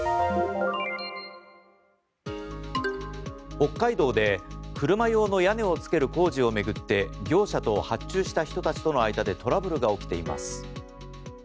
北海道で車用の屋根をつける工事を巡って業者と発注した人たちとの間でトラブルが起きています。